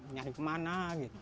nyari kemana gitu